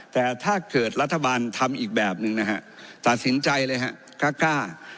แต่ถ้าเกิดรัฐบาลทำอีกแบบหนึ่งนะฮะตัดสินใจเลยฮะกล้า